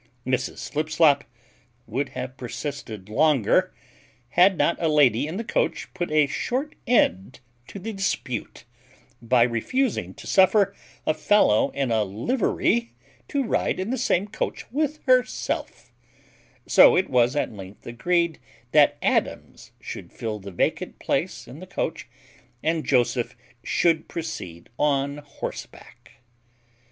Mrs Slipslop would have persisted longer, had not a lady in the coach put a short end to the dispute, by refusing to suffer a fellow in a livery to ride in the same coach with herself; so it was at length agreed that Adams should fill the vacant place in the coach, and Joseph should proceed on horseback.